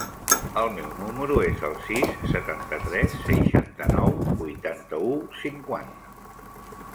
El meu número es el sis, setanta-tres, seixanta-nou, vuitanta-u, cinquanta.